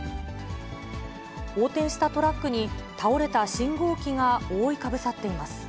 横転したトラックに、倒れた信号機が覆いかぶさっています。